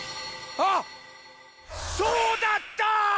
あっそうだった！